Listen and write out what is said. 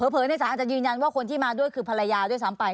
ในศาลอาจจะยืนยันว่าคนที่มาด้วยคือภรรยาด้วยซ้ำไป